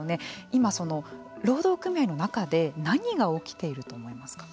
今、労働組合の中で何が起きていると思いますか。